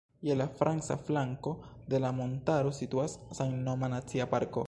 Je la franca flanko de la montaro situas samnoma Nacia Parko.